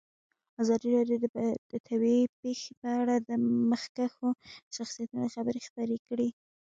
ازادي راډیو د طبیعي پېښې په اړه د مخکښو شخصیتونو خبرې خپرې کړي.